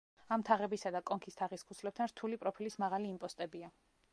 ამ თაღებისა და კონქის თაღის ქუსლებთან რთული პროფილის მაღალი იმპოსტებია.